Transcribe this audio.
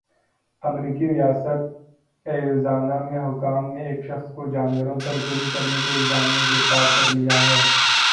امریکی ریاست ایریزونا میں حکام نے ایک شخص کو جانوروں پر ظلم کرنے کے الزام میں گرفتار کرلیا ہے۔